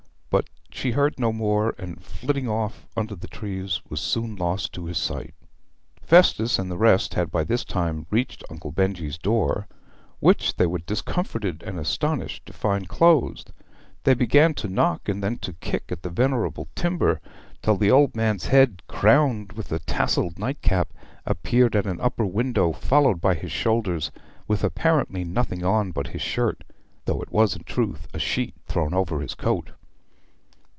But she heard no more, and flitting off under the trees, was soon lost to his sight. Festus and the rest had by this time reached Uncle Benjy's door, which they were discomfited and astonished to find closed. They began to knock, and then to kick at the venerable timber, till the old man's head, crowned with a tasselled nightcap, appeared at an upper window, followed by his shoulders, with apparently nothing on but his shirt, though it was in truth a sheet thrown over his coat.